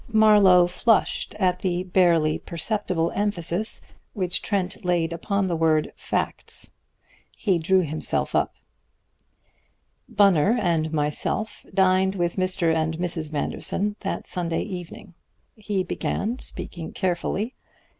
Marlowe flushed at the barely perceptible emphasis which Trent laid upon the word "facts." He drew himself up. "Bunner and myself dined with Mr. and Mrs. Manderson that Sunday evening," he began, speaking carefully.